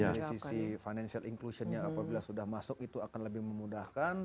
ya dari sisi financial inclusion nya apabila sudah masuk itu akan lebih memudahkan